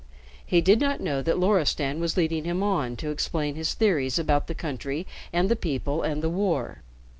He did not know that Loristan was leading him on to explain his theories about the country and the people and the war.